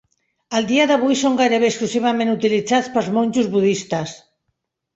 El dia d'avui són gairebé exclusivament utilitzats pels monjos budistes.